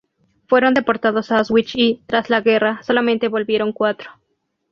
Fueron deportados a Auschwitz y, tras la guerra, solamente volvieron cuatro.